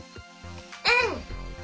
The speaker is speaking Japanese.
うん！